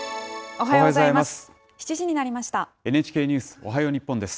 おはようございます。